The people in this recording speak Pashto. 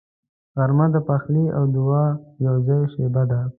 غرمه د پخلي او دعا یوځای شیبه ده